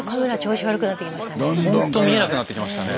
スタジオほんと見えなくなってきましたね。